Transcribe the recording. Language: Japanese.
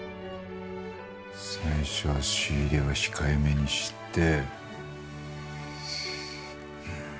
最初は仕入れは控えめにして。